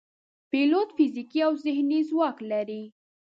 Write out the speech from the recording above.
پیلوټ فزیکي او ذهني ځواک لري.